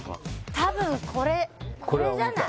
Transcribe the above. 多分これこれじゃない？